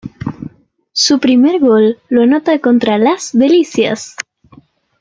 Su primer gol lo anota contra Las Delicias.